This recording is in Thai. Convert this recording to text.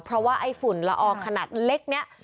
เพราะว่าไอ้ฝุ่นละอองขนาดเล็กนี้